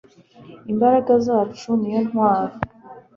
imbaraga zacu niyo ntwaro